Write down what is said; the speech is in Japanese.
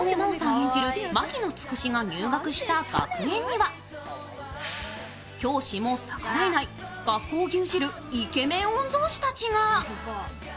演じる牧野つくしが入学した学園には教師も逆らえない、学校を牛耳るイケメン御曹司たちが。